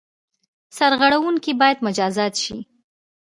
سرغړوونکي باید مجازات شي.